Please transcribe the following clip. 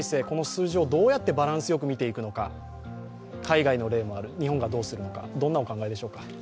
この数字をどうやってバランスよく見ていくのか、海外の例もある、日本がどうするのか、どうお考えでしょうか。